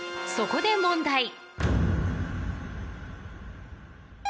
［そこで問題］